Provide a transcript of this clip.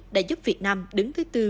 đã giúp việt nam đứng thứ bốn